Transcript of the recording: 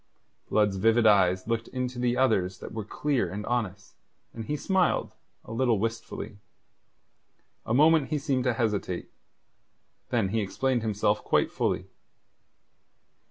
Blood's vivid eyes looked into the other's that were clear and honest, and he smiled, a little wistfully. A moment he seemed to hesitate. Then he explained himself quite fully.